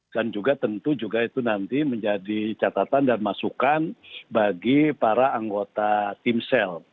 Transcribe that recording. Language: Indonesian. dan juga tentu juga itu nanti menjadi catatan dan masukan bagi para anggota tim sel